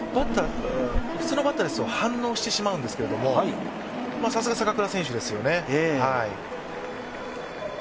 普通のバッターですと反応してしまうんですけど、さすが坂倉選手ですよね。